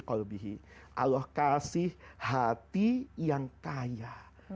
allah kasih hati yang kaya